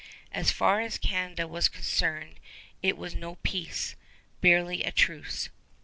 As far as Canada was concerned it was no peace, barely a truce.